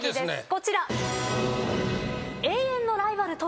こちら。